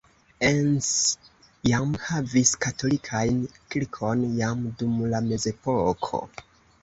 Encs jam havis katolikajn kirkon jam dum la mezepoko.